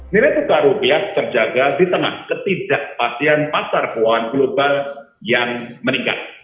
nilai tukar rupiah terjaga di tengah ketidakpastian pasar keuangan global yang meningkat